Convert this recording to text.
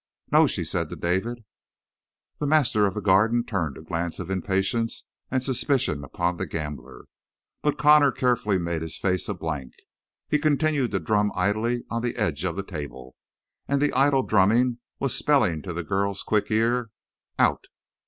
"No," she said to David. The master of the Garden turned a glance of impatience and suspicion upon the gambler, but Connor carefully made his face a blank. He continued to drum idly on the edge of the table, and the idle drumming was spelling to the girl's quick ear: "Out!"